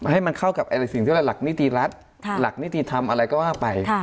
ให้มันเข้ากับอะไรสิ่งที่หลักนิติรัฐหลักนิติธรรมอะไรก็ว่าไป